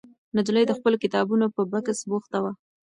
نجلۍ د خپلو کتابونو په بکس بوخته وه.